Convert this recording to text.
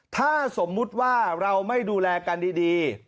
ถ้าสมมุติว่าเราไม่ดูแลกันดี